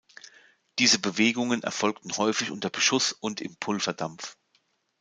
Diese Bewegungen erfolgten häufig unter Beschuss und im Pulverdampf.